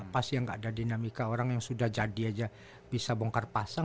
pasti nggak ada dinamika orang yang sudah jadi aja bisa bongkar pasang